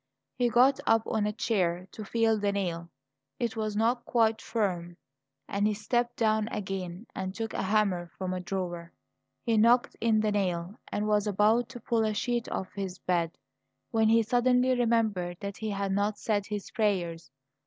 He got up on a chair to feel the nail; it was not quite firm, and he stepped down again and took a hammer from a drawer. He knocked in the nail, and was about to pull a sheet off his bed, when he suddenly remembered that he had not said his prayers.